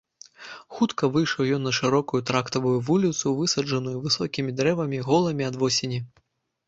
Хутка выйшаў ён на шырокую трактавую вуліцу, высаджаную высокімі дрэвамі, голымі ад восені.